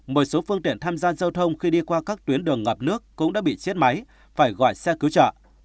một số phương tiện tham gia giao thông khi đi qua các tuyến đường ngập nước cũng đã bị chết máy phải gọi xe cứu trợ